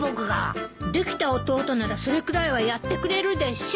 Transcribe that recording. できた弟ならそれくらいはやってくれるでしょ！